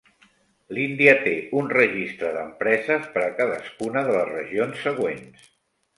L'Índia té un registre d'empreses per a cadascuna de les regions següents.